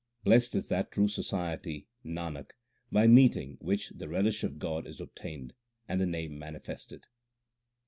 Blest is that true society, Nanak, by meeting which the relish of God is obtained, and the Name manifested.